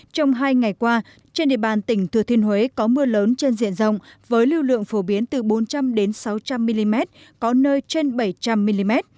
trong hai ngày qua trên địa bàn tỉnh thừa thiên huế có mưa lớn trên diện rộng với lưu lượng phổ biến từ bốn trăm linh sáu trăm linh mm có nơi trên bảy trăm linh mm